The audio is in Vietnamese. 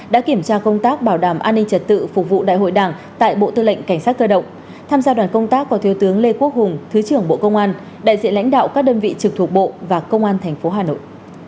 đã kiểm tra công tác bảo đảm an ninh trật tự phục vụ đại hội đảng tại bộ tư lệnh cảnh sát cơ động tham gia đoàn công tác có thiếu tướng lê quốc hùng thứ trưởng bộ công an đại diện lãnh đạo các đơn vị trực thuộc bộ và công an tp hà nội